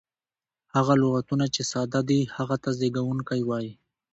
هغه لغتونه، چي ساده دي هغه ته زېږوونکی وایي.